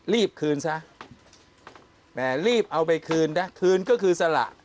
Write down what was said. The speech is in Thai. รีบคืนซะแหมรีบเอาไปคืนนะคืนก็คือสละ